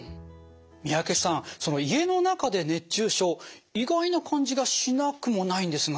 三宅さん家の中で熱中症意外な感じがしなくもないんですが。